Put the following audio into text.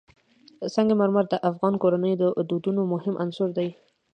سنگ مرمر د افغان کورنیو د دودونو مهم عنصر دی.